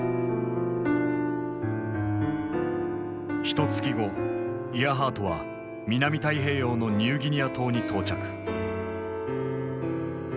ひとつき後イアハートは南太平洋のニューギニア島に到着。